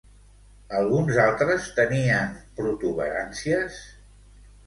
Alguns altres tenien protuberàncies?